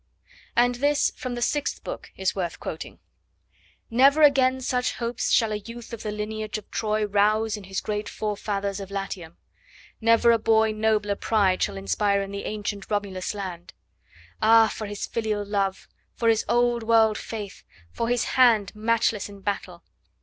And this from the sixth book is worth quoting: 'Never again such hopes shall a youth of the lineage of Troy Rouse in his great forefathers of Latium! Never a boy Nobler pride shall inspire in the ancient Romulus land! Ah, for his filial love! for his old world faith! for his hand Matchless in battle!